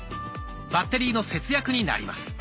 バッテリーの節約になります。